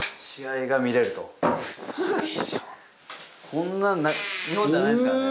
こんなの日本にはないですからね。